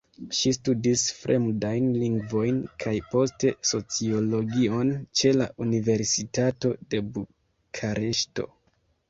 Ŝi studis fremdajn lingvojn kaj poste sociologion ĉe la Universitato de Bukareŝto.